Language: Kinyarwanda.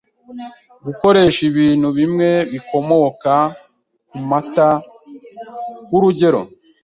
gukoresha ibintu bimwe bikomoka ku mata ku rugero